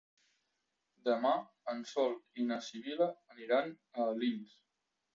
Demà en Sol i na Sibil·la aniran a Alins.